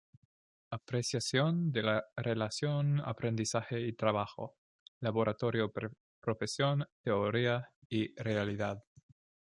Apreciación de la relación aprendizaje y trabajo, laboratorio y profesión, teoría y realidad.